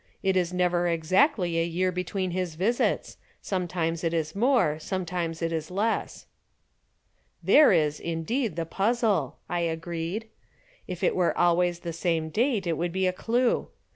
It is never exactly a year between his visits sometimes it is more, sometimes it is less." "There is, indeed, the puzzle," I agreed. "If it were always the same date, it would be a clue.